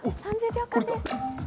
３０秒間です。